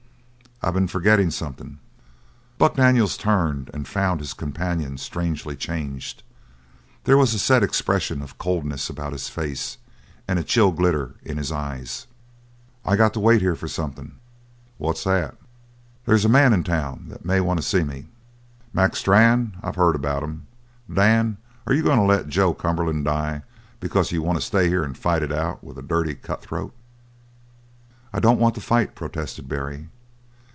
"I been forgettin' something." Buck Daniels turned and found his companion strangely changed. There was a set expression of coldness about his face, and a chill glitter in his eyes. "I got to wait here for something." "What's that?" "They's a man in town that may want to see me." "Mac Strann! I've heard about him. Dan, are you goin' to let Joe Cumberland die because you want to stay here and fight it out with a dirty cutthroat?" "I don't want to fight," protested Barry.